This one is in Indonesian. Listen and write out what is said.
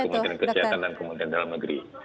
kementerian kesehatan dan kementerian dalam negeri